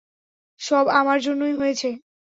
সব আমার জন্যই হয়েছে।